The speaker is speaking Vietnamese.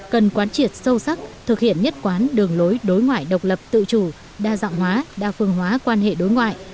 cần quán triệt sâu sắc thực hiện nhất quán đường lối đối ngoại độc lập tự chủ đa dạng hóa đa phương hóa quan hệ đối ngoại